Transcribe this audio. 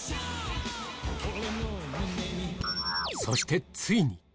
そしてついに！